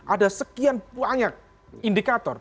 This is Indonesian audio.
ada sekian banyak indikator